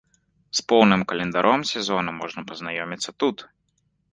З поўным календаром сезону можна пазнаёміцца тут.